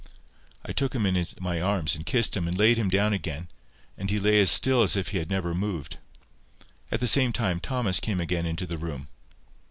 I took him in my arms, and kissed him, and laid him down again; and he lay as still as if he had never moved. At the same moment, Thomas came again into the room.